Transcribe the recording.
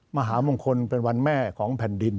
มหามงคลเป็นวันแม่ของแผ่นดิน